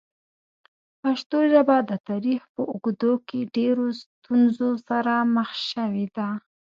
پښتو ژبه د تاریخ په اوږدو کې ډېرو ستونزو سره مخ شوې ده.